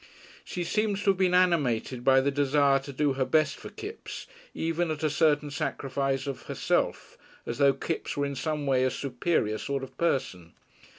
She seems to have been animated by the desire to do her best for Kipps, even at a certain sacrifice of herself, as though Kipps were in some way a superior sort of person.